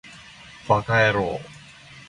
ヴぁかやろう